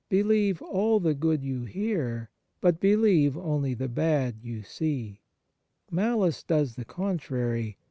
Believe all the good you hear, but believe only the bad you see. Malice does the contrary.